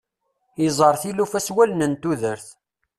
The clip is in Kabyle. Yeẓẓar tilufa s wallen n tudert.